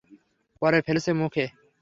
পরে ফেলেছে মুখে।